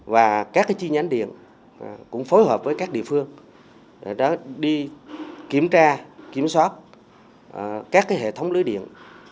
và các chi nhánh điện cũng phối hợp với các địa phương đã đi kiểm tra kiểm soát các hệ thống lưới điện